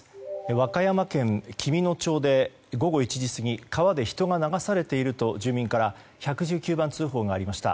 和歌山県紀美野町で午後１時過ぎ川で人が流されていると住民から１１９番通報がありました。